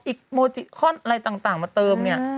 อีกโมทิศข้อนอะไรต่างมาเติม